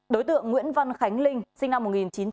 đối tượng nguyễn văn khánh linh sinh năm một nghìn chín trăm tám mươi